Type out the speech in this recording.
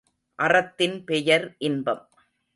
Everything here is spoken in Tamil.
அறத்தின் பெயர் இன்பம்.